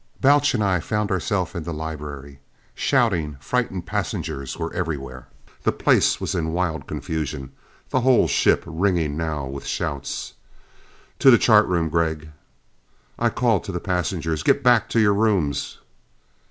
Balch and I found ourselves in the library. Shouting, frightened passengers were everywhere. The place was in wild confusion, the whole ship ringing now with shouts. "To the chart room, Gregg!" I called to the passengers, "Go back to your rooms!"